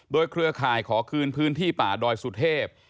โดยเครือข่ายขอคืนพื้นที่ป่าดอยสุเทพ